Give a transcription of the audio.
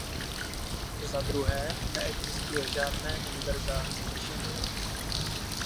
Za druhé, neexistuje žádné universální řešení.